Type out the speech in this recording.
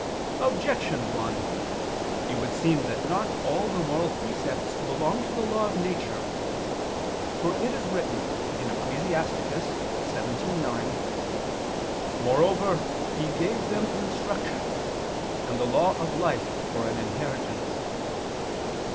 Objection 1: It would seem that not all the moral precepts belong to the law of nature. For it is written (Ecclus. 17:9): "Moreover He gave them instructions, and the law of life for an inheritance."